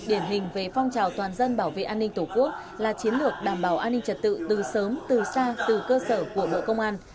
điển hình về phong trào toàn dân bảo vệ an ninh tổ quốc là chiến lược đảm bảo an ninh trật tự từ sớm từ xa từ cơ sở của bộ công an